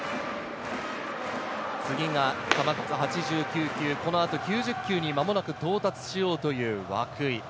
次が球数８９球、この後、９０球に間もなく到達しようという涌井。